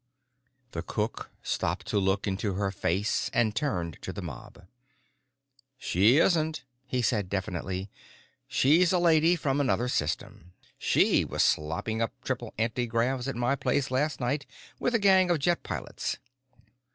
The cook stooped to look into her face and turned on the mob. "She isn't," he said definitely. "She's a lady from another system. She was slopping up triple antigravs at my place last night with a gang of jet pilots."